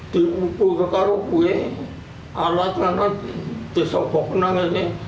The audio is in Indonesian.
di ukur ke karung gue alat alat di sobok nangisnya